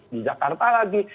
di jakarta lagi